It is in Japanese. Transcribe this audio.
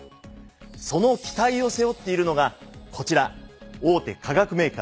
その期待を背負っているのがこちら大手化学メーカー